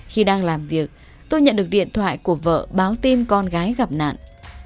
khi đang làm việc tôi nhận được điện thoại của vợ báo tin con gái gặp nạn